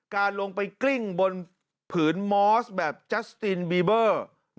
การลงไปกลิ้งบนผืนมอสแบบจัสตินบีเบอร์